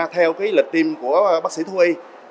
theo lịch tiêm của bác sĩ thu y